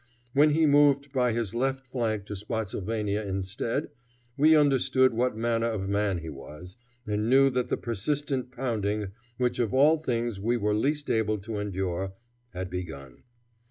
When he moved by his left flank to Spottsylvania instead, we understood what manner of man he was, and knew that the persistent pounding, which of all things we were least able to endure, had begun.